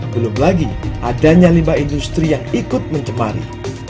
belum lagi adanya limbah industri yang ikut mencemari